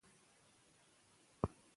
زده کوونکی اوس په ښوونځي کې خپله ژبه کارکوي.